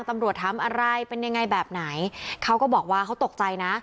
ตำรวจถามอะไรเป็นยังไงแบบไหนเขาก็บอกว่าเขาตกใจนะ